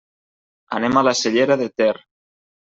Anem a la Cellera de Ter.